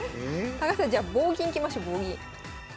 高橋さんじゃあ棒銀いきましょう棒銀。